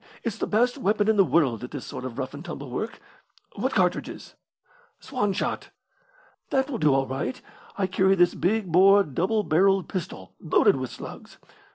It's the best weapon in the world at this sort of rough and tumble work. What cartridges?" "Swan shot." "That will do all right. I carry this big bore double barrelled pistol loaded with slugs.